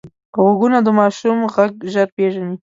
غوږونه د ماشوم غږ ژر پېژني